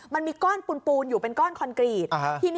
มันมีก้อนปูนอยู่เป็นก้อนคอนกรีต